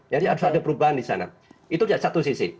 jadi harus ada perubahan di sana itu satu sisi